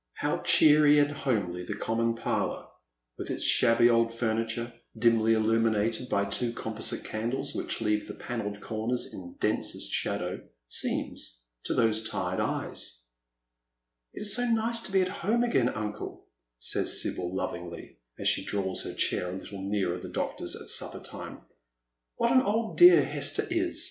How cheery and homely the common parlour, with its shabby old furniture, dimly illumi nated by two composite candles which leave the panelled corners in densest shadow, seems to those tired eyes 1 " It is so nice to be at home again, uncle," says Sibyl lovingly, M she draws her chair a little nearer the doctor's at supper time. "What an old dear Hester is!